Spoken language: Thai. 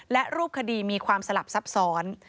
และรูปคดีมีความสลับซับซ้อน